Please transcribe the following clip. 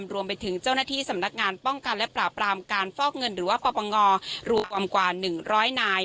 รวมไปถึงเจ้าหน้าที่สำนักงานป้องกันและปราบรามการฟอกเงินหรือว่าปปงรวมกว่า๑๐๐นาย